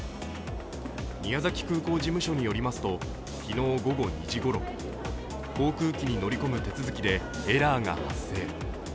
宮崎空港事務所によりますと昨日午後２時ごろ、航空機に乗り込む手続きでエラーが発生。